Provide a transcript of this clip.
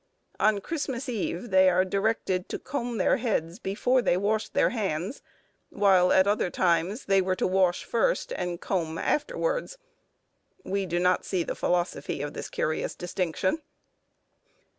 On Christmas Eve they are directed to comb their heads before they washed their hands, while at other times they were to wash first, and comb afterwards. We do not see the philosophy of this curious distinction.